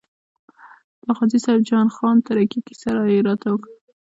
د غازي صاحب جان خان تره کې کیسه یې راته وکړه.